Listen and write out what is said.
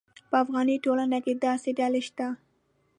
په افغاني ټولنه کې داسې ډلې شته.